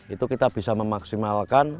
itu kita bisa memaksimalkan